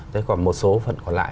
thế còn một số phần còn lại